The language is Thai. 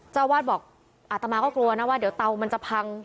เจ้าวาดบอกอาตมาก็กลัวนะว่าเดี๋ยวเตามันจะพัง